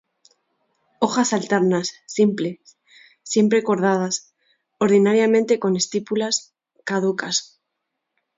Hojas alternas, simples, siempre cordadas, ordinariamente con estípulas caducas.